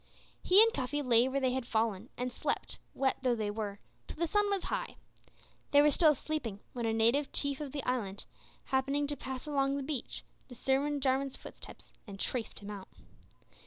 He and Cuffy lay where they had fallen, and slept, wet though they were, till the sun was high. They were still sleeping when a native chief of the island, happening to pass along the beach, discerned Jarwin's footsteps and traced him out.